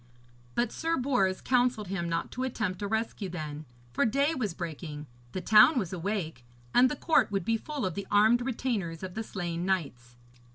But Sir Bors counselled him not to attempt a rescue then, for day was breaking, the town was awake, and the court would be full of the armed retainers of the slain knights.